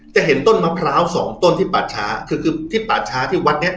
จะเห็นต้นมะพร้าวสองต้นที่ป่าช้าคือคือที่ป่าช้าที่วัดเนี้ย